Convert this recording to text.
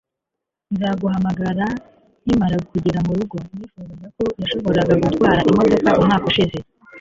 Nzaguha guhamagara nkimara kugera murugo. Nifuzaga ko yashoboraga gutwara imodoka umwaka ushize.